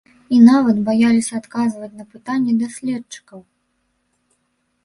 І нават баяліся адказваць на пытанні даследчыкаў!